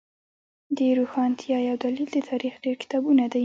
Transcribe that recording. د روښانتیا یو دلیل د تاریخ ډیر کتابونه دی